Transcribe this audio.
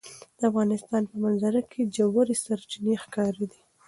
د افغانستان په منظره کې ژورې سرچینې ښکاره ده.